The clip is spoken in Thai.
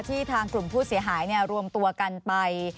ทางกลุ่มผู้เสียหายรวมตัวกันไป